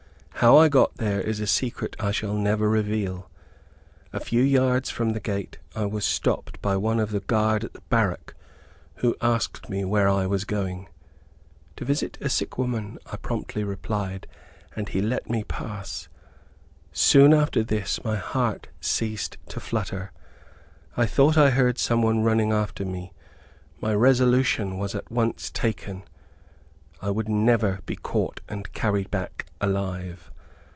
How I got there, is a secret I shall never reveal. A few yards from the gate I was stopped by one of the guard at the Barrack, who asked where I was going. "To visit a sick woman," I promptly replied, and he let me pass. Soon after this, before my heart ceased to flutter, I thought I heard some one running after me. My resolution was at once taken. I would never be caught and carried back alive.